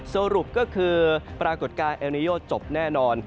สรุปก็คือปรากฏการณ์เอลนิโยจบแน่นอน